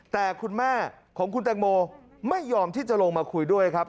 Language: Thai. แต่คุณแม่ของคุณแตงโมไม่ยอมที่จะลงมาคุยด้วยครับ